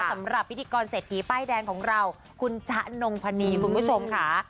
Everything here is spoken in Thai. สำหรับพิธีกรเศรษฐีป้ายแดงของเราคุณจ๊ะนงพนีคุณผู้ชมค่ะ